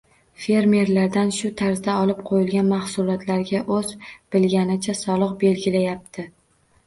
Fermerlardan shu tarzda olib qo‘yilgan mahsulotlarga o‘z bilganicha soliq belgilayapti.